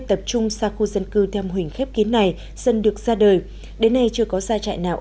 tập trung xa khu dân cư theo mô hình khép kín này dần được ra đời đến nay chưa có gia trại nào